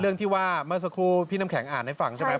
เรื่องที่ว่าเมื่อสักครู่พี่น้ำแข็งอ่านให้ฟังใช่ไหม